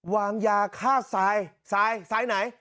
วางยาฆ่าทรายทรายทรายไหน